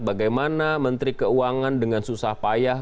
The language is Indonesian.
bagaimana menteri keuangan dengan susah payah